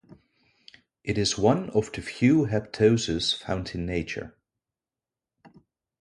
It is one of the few heptoses found in nature.